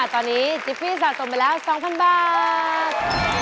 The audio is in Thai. ตอนนี้จิปปี้สะสมไปแล้ว๒๐๐๐บาท